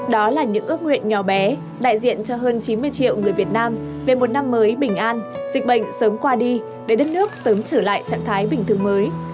đó là những ước nguyện nhỏ bé đại diện cho hơn chín mươi triệu người việt nam về một năm mới bình an dịch bệnh sớm qua đi để đất nước sớm trở lại trạng thái bình thường mới